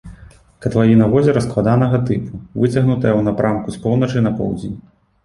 Катлавіна возера складанага тыпу, выцягнутая ў напрамку з поўначы на поўдзень.